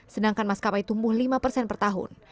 sedangkan maskapai tumbuh lima persen per tahun